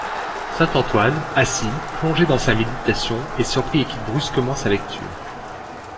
Saint Antoine, assis, plongé dans sa méditation, est surpris et quitte brusquement sa lecture.